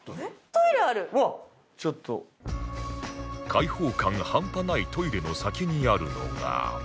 開放感半端ないトイレの先にあるのが